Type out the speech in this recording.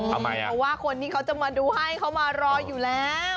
ทำไมอ่ะเพราะว่าคนนี้เขาจะมาดูให้เขามารออยู่แล้ว